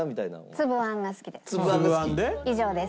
つぶあんが好きです。